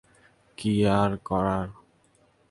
কি আর করার?